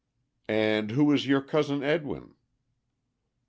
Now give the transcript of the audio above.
"And who is your Cousin Edwin?"